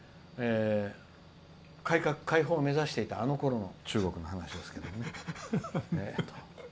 改革解放目指していたあのころの中国の話ですけどね。